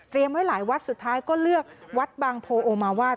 ไว้หลายวัดสุดท้ายก็เลือกวัดบางโพโอมาวาด